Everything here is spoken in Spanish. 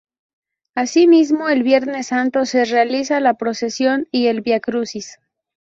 Así mismo el viernes santo se realiza la procesión y el viacrucis.